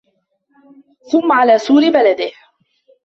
ثُمَّ عَلَى سُورِ بَلَدِهِ